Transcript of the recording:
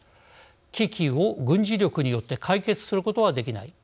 「危機を軍事力によって解決することはできない。